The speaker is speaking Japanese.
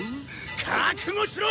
覚悟しろ！